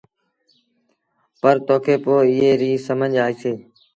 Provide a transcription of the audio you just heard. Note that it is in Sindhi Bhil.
پر توکي پوء ايٚئي ريٚ سمجھ آئيٚسي۔